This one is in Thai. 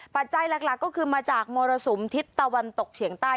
ปัจจัยหลักก็คือมาจากมรสุมทิศตะวันตกเฉียงใต้